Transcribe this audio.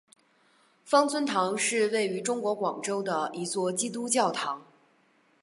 芳村堂是位于中国广州的一座基督教堂。